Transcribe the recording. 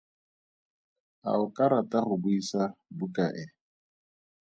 A o ka rata go buisa buka e?